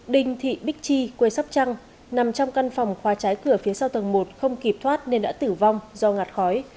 đinh thị bích chi quê sắp trăng nằm trong căn phòng khóa cháy cửa phía sau tầng một không kịp thoát nên đã tử vong do ngạt khói